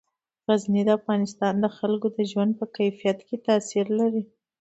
غزني د افغانستان د خلکو د ژوند په کیفیت تاثیر لري.